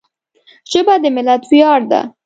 ژبه د ملت ویاړ ده